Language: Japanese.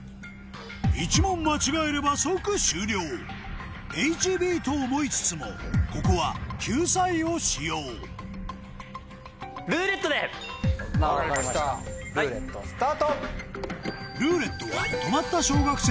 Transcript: １問間違えれば即終了ＨＢと思いつつもここは救済を使用分かりましたルーレットスタート！